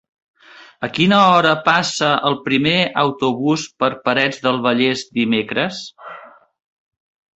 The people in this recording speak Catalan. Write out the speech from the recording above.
A quina hora passa el primer autobús per Parets del Vallès dimecres?